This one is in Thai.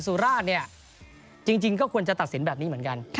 สุราชเนี่ยจริงก็ควรจะตัดสินแบบนี้เหมือนกัน